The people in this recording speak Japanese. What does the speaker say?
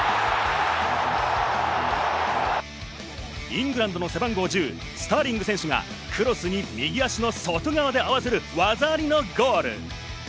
イングランドの背番号１０、スターリング選手がクロスに右足の外側で合わせる技ありのゴール！